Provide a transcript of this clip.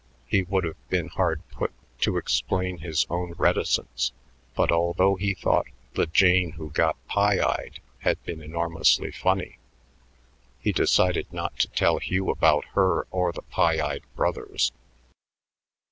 He would have been hard put to explain his own reticence, but although he thought "the jane who got pie eyed" had been enormously funny, he decided not to tell Hugh about her or the pie eyed brothers.